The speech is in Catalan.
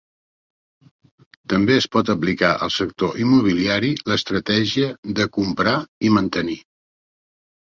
També es pot aplicar al sector immobiliari l"estratègia de "comprar i mantenir".